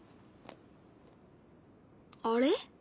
あれ？